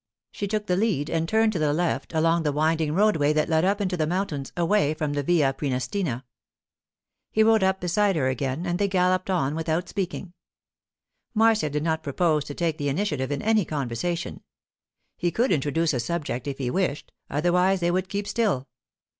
She took the lead and turned to the left along the winding roadway that led up into the mountains away from the Via Prænestina. He rode up beside her again, and they galloped on without speaking. Marcia did not propose to take the initiative in any conversation; he could introduce a subject if he wished, otherwise they would keep still.